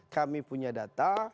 kami punya data